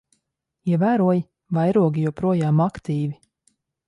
Ievēroji? Vairogi joprojām aktīvi.